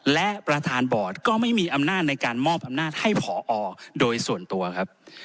และประธานบอร์ดก็ไม่มีอำนาจในการมอบอำนาจให้ผอโดยส่วนตัวครับ